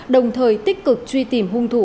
đồng thời tích cực truy tìm hung thủ